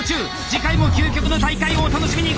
次回も究極の大会をお楽しみに。